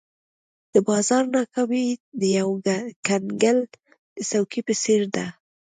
د بازار ناکامي د یو کنګل د څوکې په څېر ده.